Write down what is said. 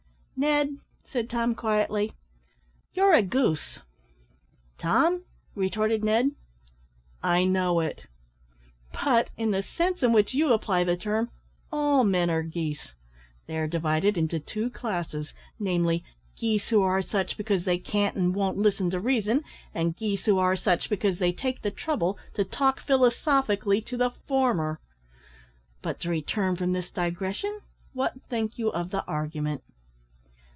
"Ned," said Tom, quietly, "you're a goose!" "Tom," retorted Ned, "I know it; but, in the sense in which you apply the term, all men are geese. They are divided into two classes namely, geese who are such because they can't and won't listen to reason, and geese who are such because they take the trouble to talk philosophically to the former; but to return from this digression, what think you of the argument?"